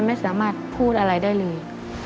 ไม่สามารถพูดอะไรได้เลย